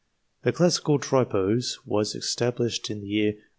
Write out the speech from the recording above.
The Classical Tripos was established in the year 1824.